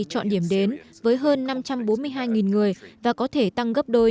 chọn điểm đến với hơn năm trăm bốn mươi hai người và có thể tăng gấp đôi